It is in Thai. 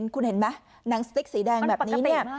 คุณเห็นไหมหนังสติ๊กสีแดงแบบนี้เนี่ย